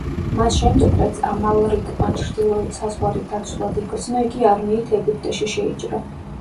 მას შემდეგ, რაც ამალრიკმა ჩრდილოეთ საზღვარი დაცულად იგრძნო, იგი არმიით ეგვიპტეში შეიჭრა.